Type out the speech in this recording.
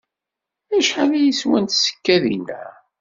Acḥal ay swant tsekkadin-a?